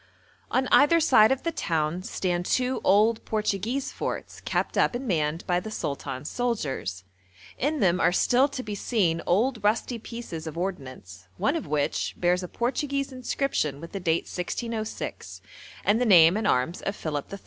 On either side of the town stand two old Portuguese forts kept up and manned by the sultan's soldiers; in them are still to be seen old rusty pieces of ordnance, one of which bears a Portuguese inscription with the date 1606, and the name and arms of Philip III.